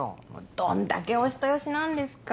どんだけお人よしなんですか。